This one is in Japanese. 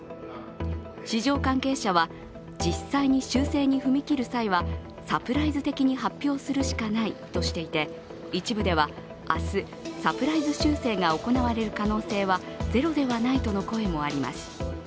市場関係者は実際に修正に踏み切る際はサプライズ的に発表するしかないとしていて一部では明日、サプライズ修正が行われる可能性はゼロではないとの声もあります。